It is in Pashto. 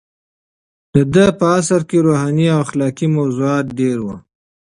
د ده په عصر کې روحاني او اخلاقي موضوعات ډېر وو.